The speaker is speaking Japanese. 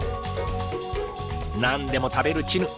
何でも食べるチヌ。